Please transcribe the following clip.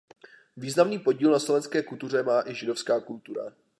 Významný podíl na slovenské kultuře má i židovská kultura.